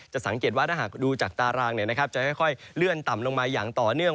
สังเกตว่าถ้าหากดูจากตารางจะค่อยเลื่อนต่ำลงมาอย่างต่อเนื่อง